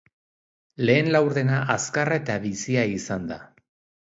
Lehen laurdena azkarra eta bizia izan da.